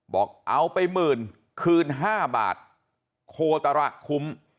บอกเอาไปหมื่นคืน๕บาทโคตระคุ้ม